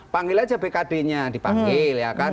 panggil aja bkd nya dipanggil ya kan